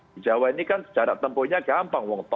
di jawa ini kan secara tempohnya gampang